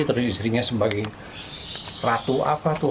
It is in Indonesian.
terus istrinya sebagai ratu apa tuh